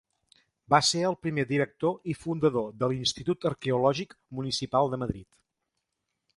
Va ser el primer director i fundador de l'Institut Arqueològic Municipal de Madrid.